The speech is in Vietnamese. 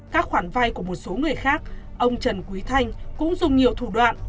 còn một số người khác ông trần quý thanh cũng dùng nhiều thủ đoạn